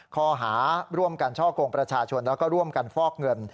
ข้อหาร่วมกันช่อกงประชาชนแล้วก็ร่วมกันฟอกเงิน